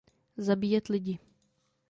Zabíjet lidi.